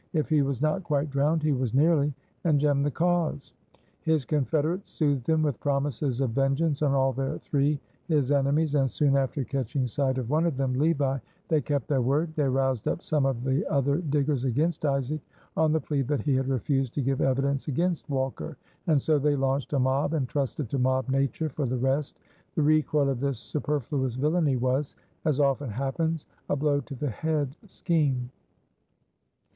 If he was not quite drowned he was nearly, and Jem the cause." His confederates soothed him with promises of vengeance on all their three his enemies, and soon after catching sight of one of them, Levi, they kept their word; they roused up some of the other diggers against Isaac on the plea that he had refused to give evidence against Walker, and so they launched a mob and trusted to mob nature for the rest. The recoil of this superfluous villainy was, as often happens, a blow to the head scheme.